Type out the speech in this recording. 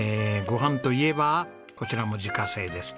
ご飯といえばこちらも自家製です。